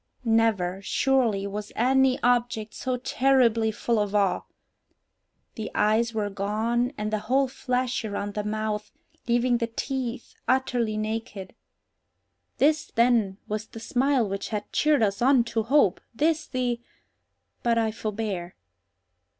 Never, surely, was any object so terribly full of awe! The eyes were gone, and the whole flesh around the mouth, leaving the teeth utterly naked. This, then, was the smile which had cheered us on to hope! this the—but I forbear.